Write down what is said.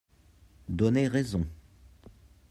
donné raison.